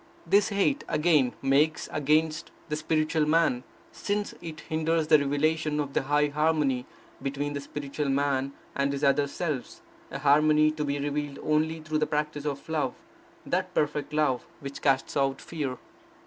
This hate, again, makes against the spiritual man, since it hinders the revelation of the high harmony between the spiritual man and his other selves, a harmony to be revealed only through the practice of love, that perfect love which casts out fear.